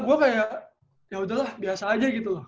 gue kayak yaudahlah biasa aja gitu loh